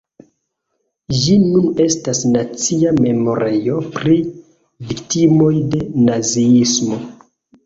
Ĝi nun estas nacia memorejo pri viktimoj de naziismo.